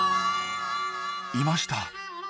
いました。